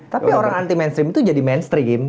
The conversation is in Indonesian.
tapi orang anti mainstream itu jadi mainstream